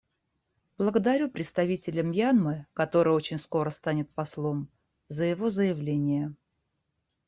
Благодарю представителя Мьянмы, который очень скоро станет послом, за его заявление.